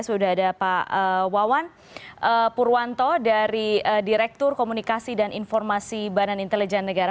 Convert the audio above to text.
sudah ada pak wawan purwanto dari direktur komunikasi dan informasi badan intelijen negara